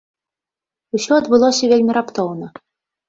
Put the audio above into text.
Усё адбылося вельмі раптоўна.